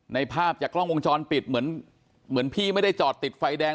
ภาพจากกล้องวงจรปิดเหมือนเหมือนพี่ไม่ได้จอดติดไฟแดง